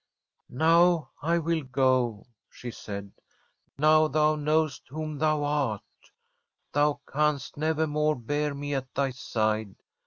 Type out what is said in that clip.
' Now I will go,' she said. * Now thou knowest whom thou art. Thou canst never more bear me at thy side.